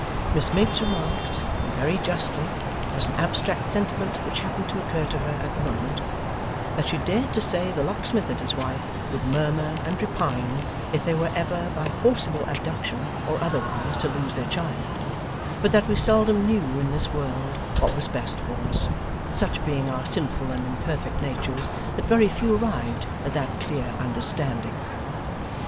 Miss Miggs remarked, and very justly, as an abstract sentiment which happened to occur to her at the moment, that she dared to say the locksmith and his wife would murmur, and repine, if they were ever, by forcible abduction, or otherwise, to lose their child; but that we seldom knew, in this world, what was best for us: such being our sinful and imperfect natures, that very few arrived at that clear understanding.